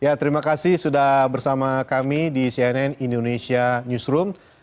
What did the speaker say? ya terima kasih sudah bersama kami di cnn indonesia newsroom